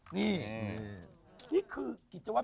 นี่นี่คือกิจวัฒ